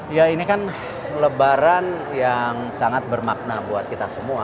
ya ini kan lebaran yang sangat bermakna buat kita semua